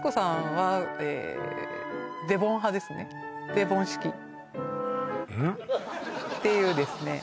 デヴォン式っていうですね